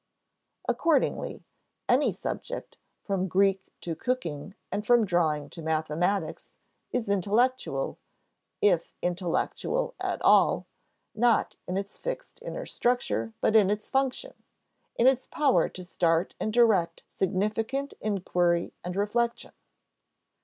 Accordingly, any subject, from Greek to cooking, and from drawing to mathematics, is intellectual, if intellectual at all, not in its fixed inner structure, but in its function in its power to start and direct significant inquiry and reflection.